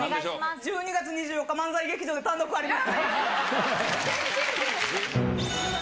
１２月２４日、漫才劇場で単独ありますから。